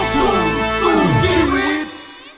จริงจริงจริง